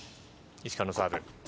石川のサーブ。